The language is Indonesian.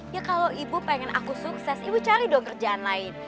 ya kalau ibu pengen aku sukses ibu cari dong kerjaan lain